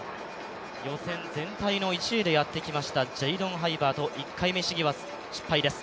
予選全体の１位でやってきましたジェイドン・ハイバート、１回目試技は失敗です。